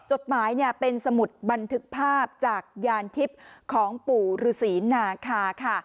จดหมายเนี่ยเป็นสมุดบันทึกภาพจากยานทิพย์ของปู่ฤษีนาคาค่ะ